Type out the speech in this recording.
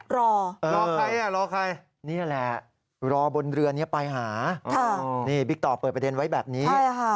รอรอใครอ่ะรอใครนี่แหละรอบนเรือนี้ไปหานี่บิ๊กต่อเปิดประเด็นไว้แบบนี้